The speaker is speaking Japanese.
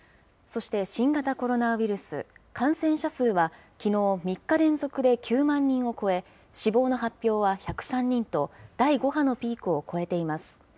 そして新型コロナウイルス、感染者数はきのう３日連続で９万人を超え、死亡の発表は１０３人と、第５波のピークを超えています。